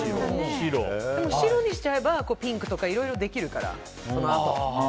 でも、白にしちゃえばピンクとかいろいろできるから、そのあと。